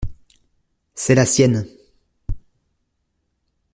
C’est la sienne.